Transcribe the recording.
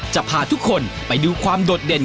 จะพาทุกคนไปดูความโดดเด่น